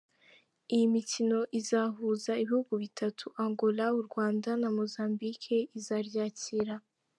Iyi mikino izahuza ibhugu bitatu, Angola ,u Rwanda na Mozambique izaryakira.